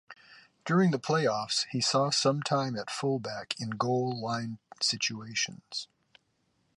During the playoffs, he saw some time at fullback in goal line situations.